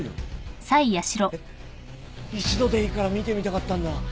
一度でいいから見てみたかったんだ。